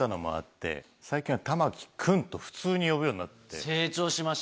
最近は「玉木くん」と普通に呼ぶようになって。